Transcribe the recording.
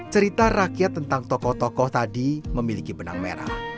cerita rakyat tentang tokoh tokoh tadi memiliki benang merah